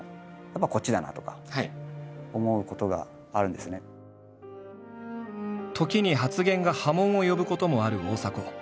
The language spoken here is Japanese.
でもそれって何か時に発言が波紋を呼ぶこともある大迫。